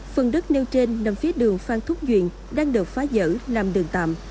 phần đất nêu trên nằm phía đường phan thúc duyện đang được phá giỡn làm đường tạm